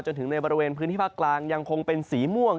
จนถึงในบริเวณพื้นที่ภาคกลางยังคงเป็นสีม่วง